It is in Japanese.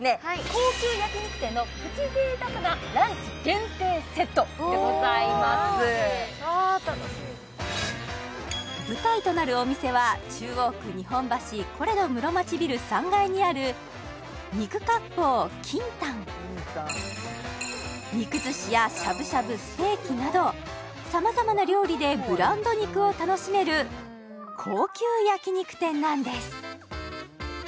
高級焼肉店のプチ贅沢なランチ限定セットでございますわあ楽しみ舞台となるお店は中央区日本橋コレド室町ビル３階にある肉寿司やしゃぶしゃぶステーキなどさまざまな料理でブランド肉を楽しめる高級焼肉店なんです